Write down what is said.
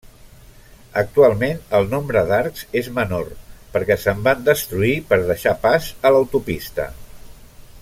Actualment el nombre d'arcs és menor perquè se'n van destruir per deixar pas a l'autopista.